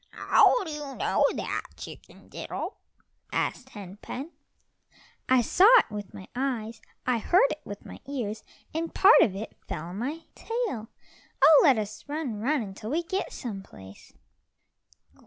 "How do you know that Chicken diddle?" asked Hen pen. "I saw it with my eyes, I heard it with my ears, and part of it fell on my tail. Oh, let us run, run, until we get some place."